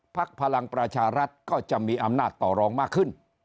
พลังประชารัฐก็จะมีอำนาจต่อรองมากขึ้น